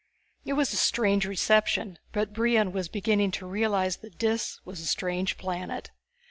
It was a strange reception, but Brion was beginning to realize that Dis was a strange planet.